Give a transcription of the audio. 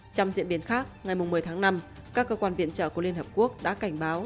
trong diễn biến khác ngày một mươi tháng năm các cơ quan viện trợ của liên hợp quốc đã cảnh báo